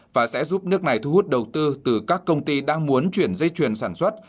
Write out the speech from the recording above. và sẽ giúp nước này thu hút đầu tư từ các công ty đang muốn chuyển dây chuyền sản xuất